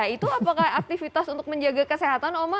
itu apakah aktivitas untuk menjaga kesehatan oma